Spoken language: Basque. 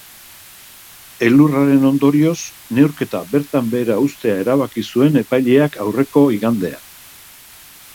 Elurraren ondorioz, neurketa bertan behera uztea erabaki zuen epaileak aurreko igandean.